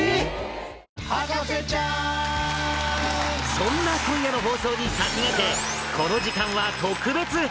そんな今夜の放送に先駆けこの時間は特別編